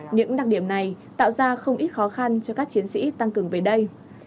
những đặc điểm này tạo ra không ít khó khăn cho các chiến sĩ tăng cường về đây